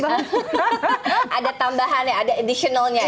ada tambahan ya ada additionalnya